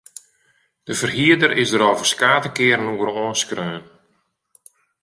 De ferhierder is der al ferskate kearen oer oanskreaun.